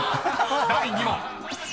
［第２問］